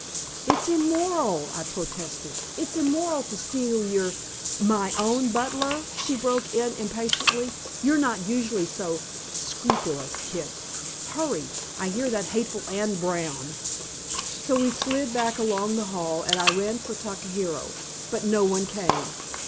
"It's immoral," I protested. "It's immoral to steal your " "My own butler!" she broke in impatiently. "You're not usually so scrupulous, Kit. Hurry! I hear that hateful Anne Brown." So we slid back along the hall, and I rang for Takahiro. But no one came.